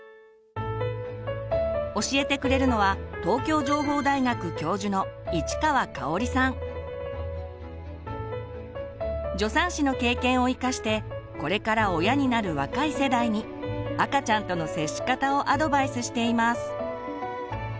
教えてくれるのは助産師の経験を生かしてこれから親になる若い世代に赤ちゃんとの接し方をアドバイスしています。